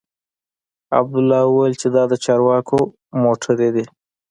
عبدالله وويل چې دا د چارواکو موټرې دي.